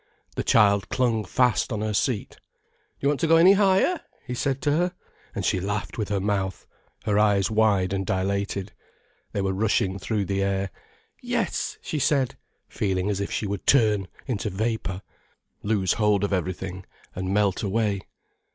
The child clung fast on her seat. "Do you want to go any higher?" he said to her, and she laughed with her mouth, her eyes wide and dilated. They were rushing through the air. "Yes," she said, feeling as if she would turn into vapour, lose hold of everything, and melt away.